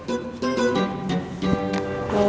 udah deh bu